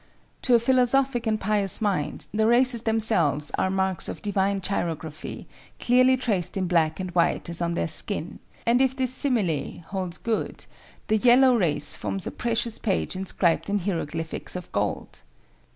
To a philosophic and pious mind, the races themselves are marks of Divine chirography clearly traced in black and white as on their skin; and if this simile holds good, the yellow race forms a precious page inscribed in hieroglyphics of gold!